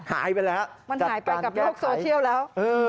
หายไปแล้วมันหายไปกับโลกโซเชียลแล้ว